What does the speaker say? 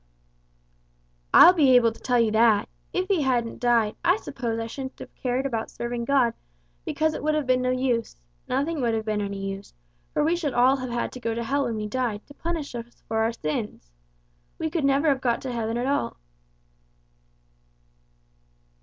"I'll be able to tell you that. If He hadn't died, I suppose I shouldn't have cared about serving God because it would have been no use nothing would have been any use, for we should all have had to go to hell when we died, to punish us for our sins. We could never have got to heaven at all."